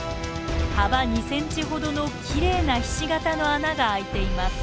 幅２ｃｍほどのきれいなひし形の穴が開いています。